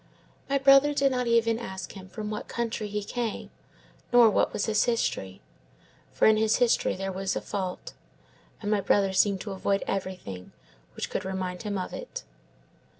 My brother did not even ask him from what country he came, nor what was his history. For in his history there is a fault, and my brother seemed to avoid everything which could remind him of it.